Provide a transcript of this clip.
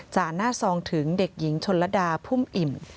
จากหน้าทรองถึงเด็กหญิงชนลดาภูมิอิ่ม